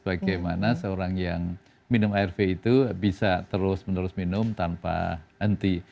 bagaimana seorang yang minum arv itu bisa terus menerus minum tanpa henti